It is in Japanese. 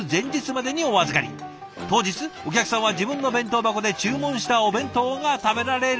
当日お客さんは自分の弁当箱で注文したお弁当が食べられる。